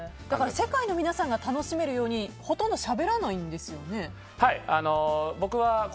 世界の皆さんが楽しめるようにほとんどしゃべらないんですよね。